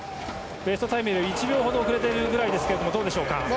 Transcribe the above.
ベストタイムより１秒ほど遅れているぐらいですがどうでしょうか？